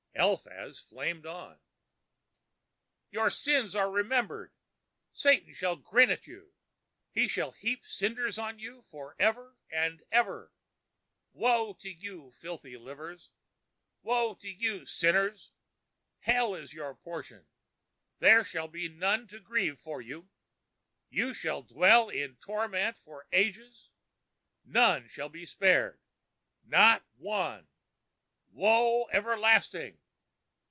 Eliphaz flamed on. "Your sins are remembered. Satan shall grin at you. He shall heap cinders on you for ever and ever. Woe to you, filthy livers. Woe to you, sinners. Hell is your portion. There shall be none to grieve for you. You shall dwell in torment for ages. None shall be spared, not one. Woe everlasting...